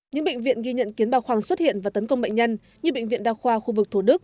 những bệnh viện ghi nhận kiến bà khoang xuất hiện và tấn công bệnh nhân như bệnh viện đa khoa khu vực thủ đức